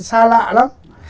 xa lạ lắm